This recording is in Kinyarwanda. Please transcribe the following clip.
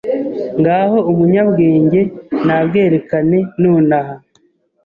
Ngaho umunyabwenge nabwerekane nonaha